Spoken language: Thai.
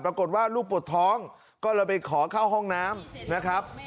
ปรากฏว่าลูกปวดท้องก็เลยไปขอเข้าห้องน้ำนะครับ